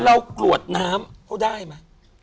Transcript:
แล้วกรวดน้ำเขาได้มั้ย